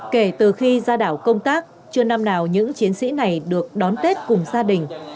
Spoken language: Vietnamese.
kể từ khi ra đảo công tác chưa năm nào những chiến sĩ này được đón tết cùng gia đình